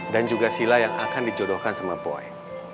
dan juga sila yang akan dijodohkan sama boy